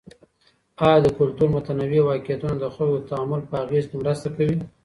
آیا د کلتور متنوع واقعيتونه د خلګو د تعامل په اغیز کي مرسته کوي؟